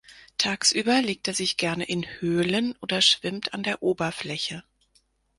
Tagsüber legt er sich gerne in Höhlen, oder schwimmt an der Oberfläche.